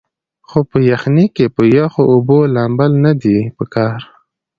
خو پۀ يخنۍ کښې پۀ يخو اوبو لامبل نۀ دي پکار